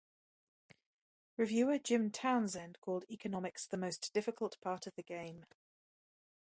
Reviewer Jim Townsend called economics "the most difficult part of the game".